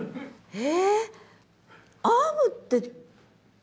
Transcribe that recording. え。